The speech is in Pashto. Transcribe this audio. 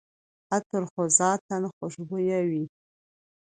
عطر خو ذاتاً خوشبویه وي.